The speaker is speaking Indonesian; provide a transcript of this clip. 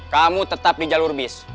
kamu tetap di jalur bis